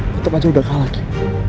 tetep aja udah kalah kim